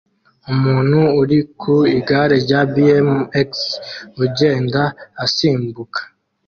Umuntu uri ku igare rya BMX ugenda asimbuka